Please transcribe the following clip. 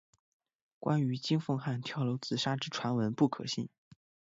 关于金凤汉跳楼自杀之传闻不可信。